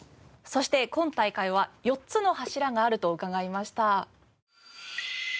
そして今大会は４つの柱があると伺いました。